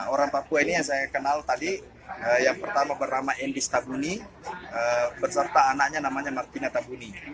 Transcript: orang papua ini yang saya kenal tadi yang pertama bernama endi stabuni berserta anaknya namanya martina tabuni